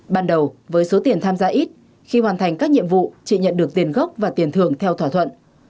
ban đầu với số tiền tham gia ít khi hoàn thành các nhiệm vụ chị nhận được tiền gốc và tiền thưởng theo thỏa thuận